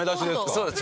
そうです。